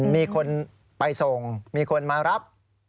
มีคนไปส่งมีคนมารับ